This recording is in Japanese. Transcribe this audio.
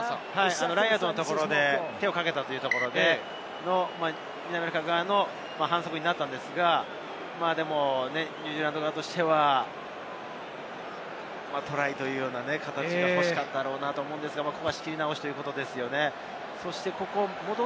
ラインアウトのところで手をかけたということで、南アフリカ側の反則になったのですが、ニュージーランド側としてはトライが欲しかったと思うのですが、仕切り直しということですね。